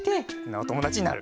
おともだちになる。